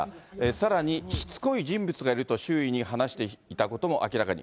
さらに、しつこい人物がいると周囲に話していたことも明らかに。